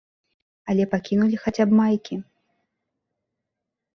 Але пакінулі хаця б майкі.